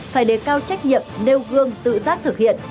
phải đề cao trách nhiệm nêu gương tự giác thực hiện